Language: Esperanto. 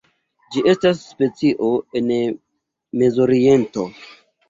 Ĝi estas specio el Mezoriento.